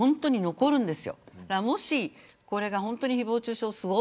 残るんです。